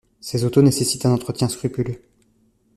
Ces autos nécessitent un entretien scrupuleux.